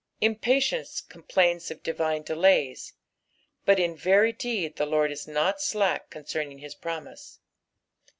Impatience complains of divine delays, but in very deed the Lord is not slack concerning his promise.